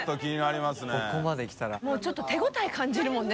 もうちょっと手応え感じるもんね。